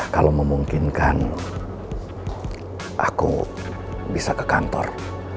kalau memungkinkan aku bisa ke kantor